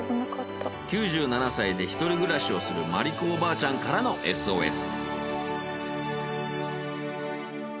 ９７歳で一人暮らしをする萬里子おばあちゃんからのＳＯＳ。